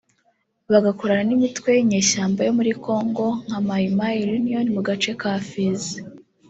bagakorana n’imitwe y’inyeshyamba yo muri Congo nka Mai Mai Reunion mu gace ka Fizi